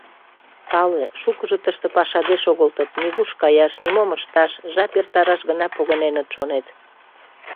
Пале: шукыжо тыште пашаде шогылтыт, — нигуш каяш, нимом ышташ, жап эртараш гына погыненыт, шонет.